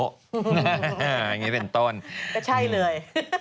อย่างนี้เป็นต้นก็ใช่เลย